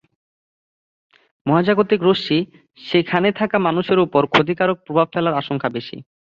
মহাজাগতিক রশ্মি সেখানে থাকা মানুষের ওপর ক্ষতিকারক প্রভাব ফেলার আশঙ্কা বেশি।